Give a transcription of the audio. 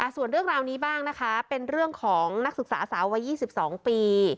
ส่วนเรื่องราวนี้บ้างนะคะเป็นเรื่องของนักศึกษาสาววัย๒๒ปี